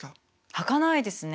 はかないですね。